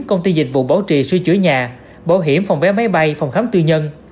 công ty dịch vụ bảo trì sửa chữa nhà bảo hiểm phòng vé máy bay phòng khám tư nhân